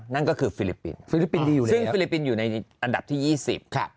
นั่นก็คือฟิลิปปินส์ซึ่งฟิลิปปินส์อยู่ในอันดับที่๒๐ค่ะ